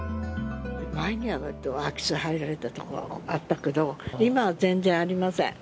前には空き巣に入られた所あったけど、今は全然ありません。